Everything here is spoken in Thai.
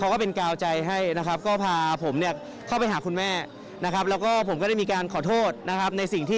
ว่าจริงแล้วอุบัติเหตุมันเกิดจะอะไรกันแน่นะครับ